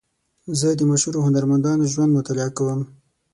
زه د مشهورو هنرمندانو ژوند مطالعه کوم.